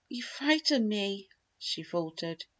"You frighten me," she faltered.